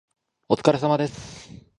お疲れ様です。